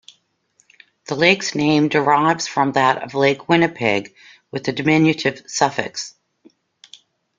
The lake's name derives from that of Lake Winnipeg, with a diminutive suffix.